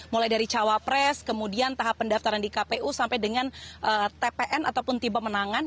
mulai dari cawapres kemudian tahap pendaftaran di kpu sampai dengan tpn ataupun tim pemenangan